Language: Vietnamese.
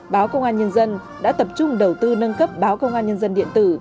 báo công an nhân dân đã tập trung đầu tư nâng cấp báo công an nhân dân điện tử